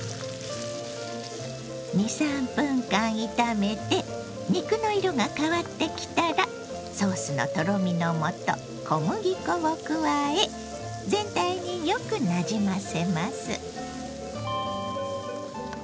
２３分間炒めて肉の色が変わってきたらソースのとろみのもと小麦粉を加え全体によくなじませます。